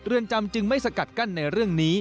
จำจึงไม่สกัดกั้นในเรื่องนี้